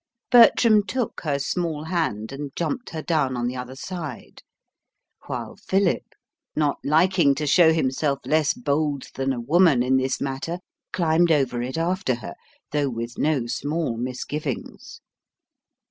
Bertram took her small hand and jumped her down on the other side, while Philip, not liking to show himself less bold than a woman in this matter, climbed over it after her, though with no small misgivings.